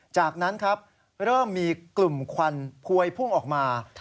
จากนั้นครับเริ่มมีกลุ่มควันพวยพุ่งออกมา